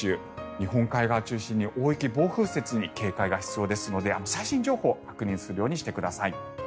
日本海側を中心に大雪、暴風雪に警戒が必要ですので最新情報を確認するようにしてください。